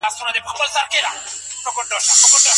ايا ښځه تجارت کولای سي؟